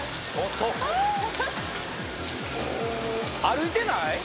遅っ歩いてない？